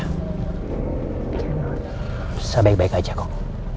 bisa baik baik aja kok